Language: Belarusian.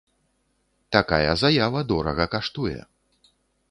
Такая заява дорага каштуе!